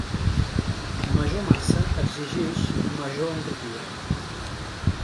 Major massa exigix major entropia.